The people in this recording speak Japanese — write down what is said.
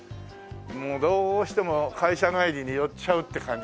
もうどうしても会社帰りに寄っちゃうって感じでしょ。